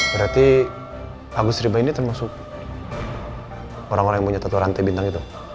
berarti agus rimba ini termasuk orang orang yang punya tattoo rantai bintang gitu